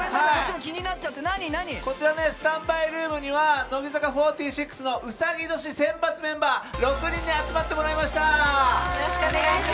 こちらスタンバイルームには乃木坂４６のうさぎ年、先発メンバー６人に集まってもらいました。